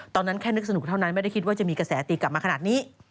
แค่นึกสนุกเท่านั้นไม่ได้คิดว่าจะมีกระแสตีกลับมาขนาดนี้